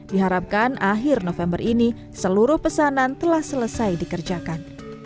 diharapkan akhir november ini seluruh pesanan telah selesai dikerjakan